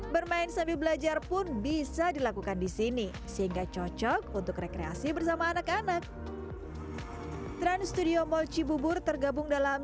bermain sambil belajar pun bisa dilakukan di sini sehingga cocok untuk rekreasi bersama anak anak